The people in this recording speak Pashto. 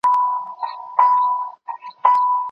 د څېړني چوکاټ نه ویجاړول کېږي.